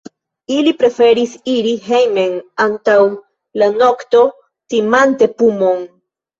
Ili preferis iri hejmen antaŭ la nokto, timante pumon.